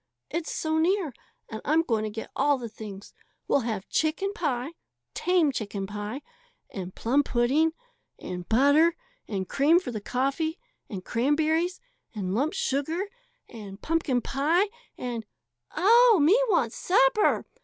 "It's so near; and I'm going to get all the things. We'll have chicken pie tame chicken pie and plum pudding and butter and cream for the coffee and cranberries and lump sugar and pumpkin pie and " "Oh, me wants supper!"